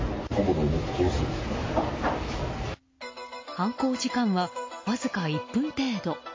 犯行時間は、わずか１分程度。